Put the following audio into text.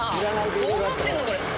どうなってんの、これ。